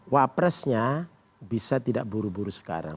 wapresnya bisa tidak buru buru sekarang